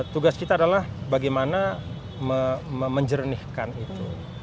tugas kita adalah bagaimana menjernihkan itu